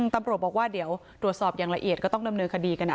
ตำรวจบอกว่าเดี๋ยวตรวจสอบอย่างละเอียดก็ต้องดำเนินคดีกัน